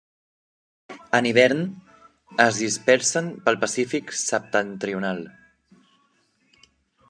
En hivern es dispersen pel Pacífic Septentrional.